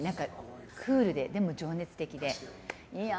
クールで、でも情熱的で。